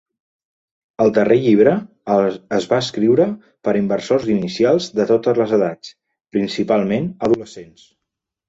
El darrer llibre es va escriure per a inversors inicials de totes les edats, principalment adolescents.